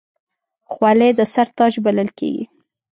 خولۍ د سر تاج بلل کېږي.